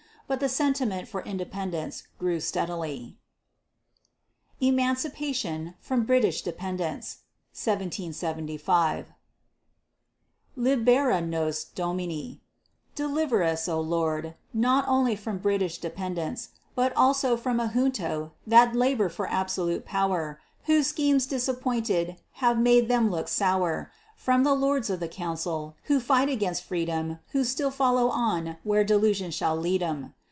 But the sentiment for independence grew steadily. EMANCIPATION FROM BRITISH DEPENDENCE Libera nos, Domine Deliver us, O Lord, Not only from British dependence, but also, From a junto that labor for absolute power, Whose schemes disappointed have made them look sour; From the lords of the council, who fight against freedom Who still follow on where delusion shall lead 'em.